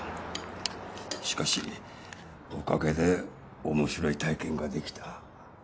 しかしおかげで面白い体験が出来た。